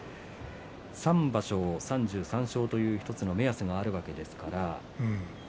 ３場所３３勝という１つの目安があるわけですから。